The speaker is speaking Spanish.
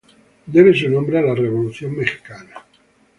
Debe su nombre a la Revolución mexicana.